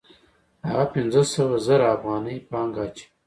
هغه پنځه سوه زره افغانۍ پانګه اچوي